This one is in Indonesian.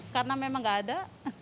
karena memang nggak ada